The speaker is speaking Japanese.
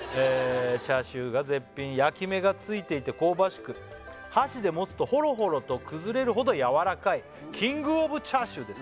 「チャーシューが絶品焼き目がついていて香ばしく」「箸で持つとほろほろと崩れるほどやわらかい」「キングオブチャーシューです」